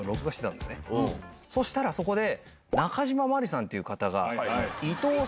そしたらそこで。